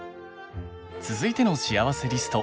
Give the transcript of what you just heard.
続いてのしあわせリスト